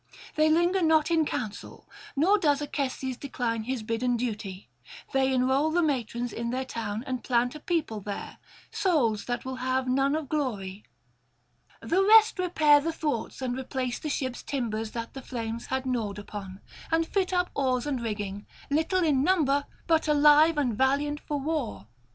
They linger not in counsel, nor does Acestes decline his bidden duty: they enrol the matrons in their town, and plant a people there, souls that will have none of glory. The rest repair the thwarts and replace the ships' timbers that the flames had gnawed upon, and fit up oars and rigging, little in number, but alive and valiant for war.